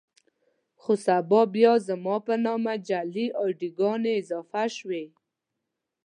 خو سبا بيا زما په نامه جعلي اې ډي ګانې اضافه شوې.